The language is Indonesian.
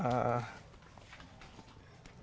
rasanya pun enak pakai ini daripada pakai mesin